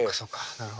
なるほど。